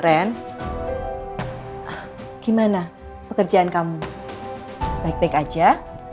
keren gimana pekerjaan kamu baik baik aja